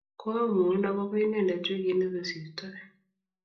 koamwoun akobo inendet wikit ne kosirtoi